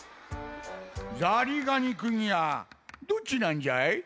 ザリガニくんやどっちなんじゃ？